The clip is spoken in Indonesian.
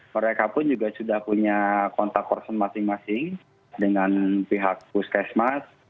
mereka pun juga sudah punya kontak corpon masing masing dengan pihak puskesmas